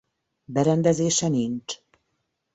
Berendezése nincs.